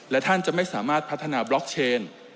และท่านจะไม่สามารถพัฒนาบล็อกเชน